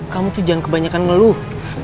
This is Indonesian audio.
kamu tuh jangan kebanyakan ngeluh